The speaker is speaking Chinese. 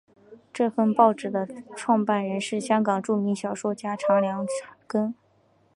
这份报纸的创办人是香港著名小说家查良镛。